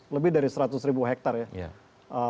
lebih dari seratus ribu hektare ya